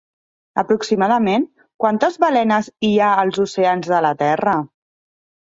Aproximadament, quantes balenes hi ha als oceans de la Terra?